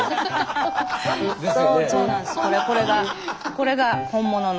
これが本物の。